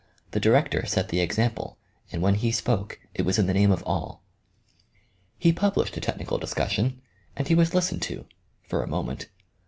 The director set the example, and when he spoke it was in the name of all. He published a technical discussion, and he was listened to for a moment.